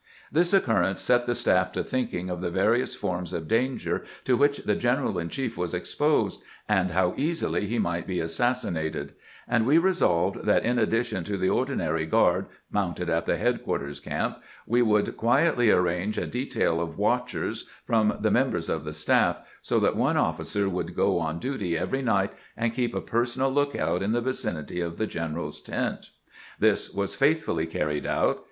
This occurrence set the staff to thinking of the vari ous forms of danger to which the general in ehief was exposed, and how easily he might be assassinated ; and we resolved that in addition to the ordinary guard mounted at the headquarters camp, we would quietly arrange a detail of " watchers " from the members of the staff, so that one officer would go on duty every night and keep a personal lookout in the vicinity of the gen eral's tent. This was faithfully carried out.